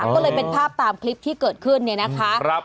ก็เลยเป็นภาพตามคลิปที่เกิดขึ้นเนี่ยนะคะ